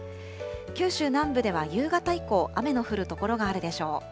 九州南部では夕方以降、雨の降る所があるでしょう。